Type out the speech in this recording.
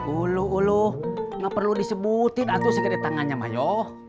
uluh uluh gak perlu disebutin atuh segede tangannya ma yoh